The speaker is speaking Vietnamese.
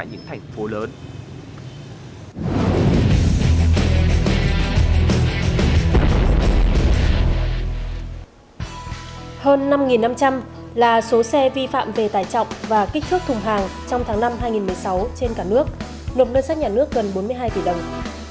hơn năm năm trăm linh là số xe vi phạm về tài trọng và kích thước thùng hàng trong tháng năm hai nghìn một mươi sáu trên cả nước nộp ngân sách nhà nước gần bốn mươi hai tỷ đồng